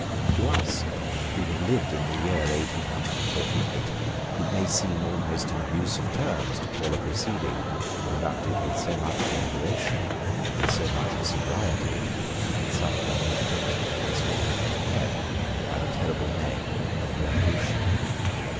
To us, who have lived in the year 1848, it may seem almost an abuse of terms to call a proceeding, conducted with so much deliberation, with so much sobriety, and with such minute attention to prescriptive etiquette, by the terrible name of Revolution.